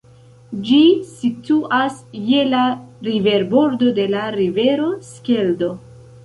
Ĝi situas je la riverbordo de la rivero Skeldo.